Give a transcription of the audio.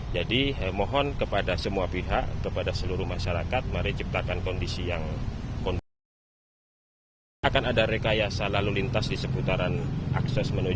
jadi mohon kepada semua pihak kepada seluruh masyarakat mari ciptakan kondisi yang kontrol